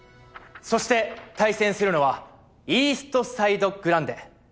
そして対戦するのはイーストサイド・グランデ。